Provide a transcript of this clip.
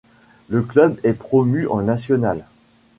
Le club est promu en National.